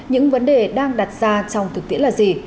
những vấn đề đang đặt ra trong thực tiễn là gì